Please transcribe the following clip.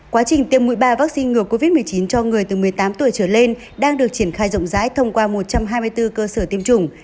quá trình tiêm mũi ba vaccine ngừa covid một mươi chín cho người từ một mươi tám tuổi trở lên đang được triển khai rộng rãi thông qua một trăm hai mươi bốn cơ sở tiêm chủng